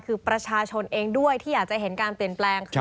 คือประชาชนเองด้วยที่อยากจะเห็นการเปลี่ยนแปลงคือ